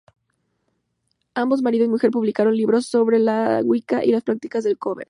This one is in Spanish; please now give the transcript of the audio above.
Ambos, marido y mujer publicaron libros sobre la Wicca y las prácticas del coven.